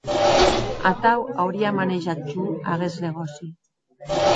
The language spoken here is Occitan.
Atau auria manejat jo aguest negòci.